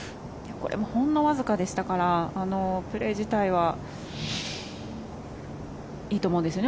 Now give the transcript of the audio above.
これもほんのわずかでしたからプレー自体はいいと思うんですね